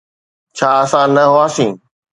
ڇا اسان نه هئاسين؟